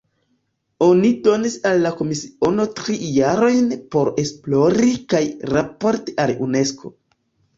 Oni donis al la komisiono tri jarojn por esplori kaj raporti al Unesko.